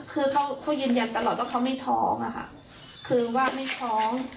คือเขายืนยันตลอดว่าเขาไม่ท้องอะค่ะคือว่าไม่ท้อง